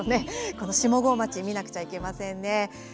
下郷町、見なくちゃいけませんね。